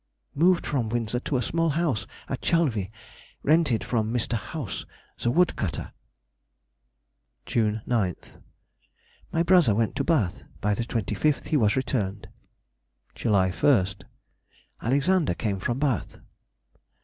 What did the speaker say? _—Moved from Windsor to a small house at Chalvy, rented from Mr. House, the wood cutter. June 9th.—My brother went to Bath; by the 25th he was returned. July 1st.—Alexander came from Bath.